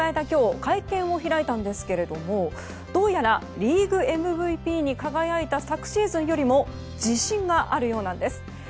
今日会見を開いたんですけどどうやらリーグＭＶＰに輝いた昨シーズンよりも自信があるようなんです。